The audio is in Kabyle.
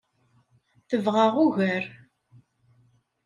Tebɣa ugar.